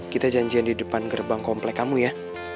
kita janjian di depan gerbang komplek kamu ya